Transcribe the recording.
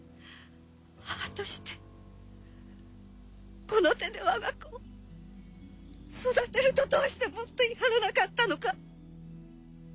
母としてこの手で我が子を育てるとどうしてもっと言い張らなかったのか。